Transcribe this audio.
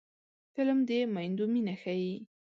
فلم د میندو مینه ښيي